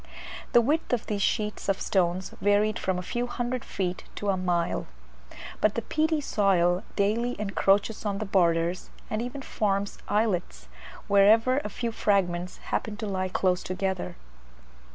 The width of these sheets of stones varied from a few hundred feet to a mile; but the peaty soil daily encroaches on the borders, and even forms islets wherever a few fragments happen to lie close together.